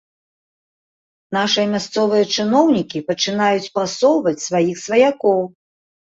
Нашыя мясцовыя чыноўнікі пачынаюць прасоўваць сваіх сваякоў.